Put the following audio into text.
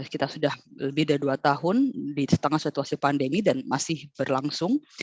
kita sudah lebih dari dua tahun di tengah situasi pandemi dan masih berlangsung